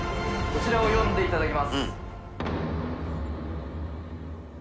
こちらを読んでいただきます。